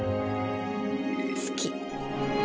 好き。